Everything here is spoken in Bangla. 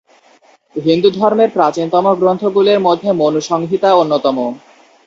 হিন্দুধর্মের প্রাচীনতম গ্রন্থগুলোর মধ্যে মনুসংহিতা অন্যতম।